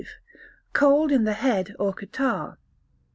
Cold in the Head or Catarrh.